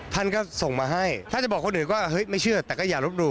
ท่านก็ส่งมาให้ถ้าจะบอกคนอื่นก็เฮ้ยไม่เชื่อแต่ก็อย่าลบหลู